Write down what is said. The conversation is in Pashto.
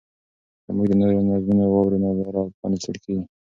که موږ د نورو نظرونه واورو نو لاره پرانیستل کیږي.